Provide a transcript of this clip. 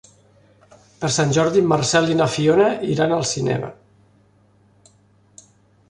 Per Sant Jordi en Marcel i na Fiona iran al cinema.